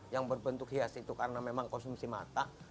yang berbentuk hias itu karena memang konsumsi mata